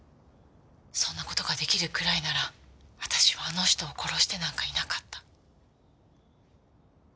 そんな事が出来るくらいなら私はあの人を殺してなんかいなかった。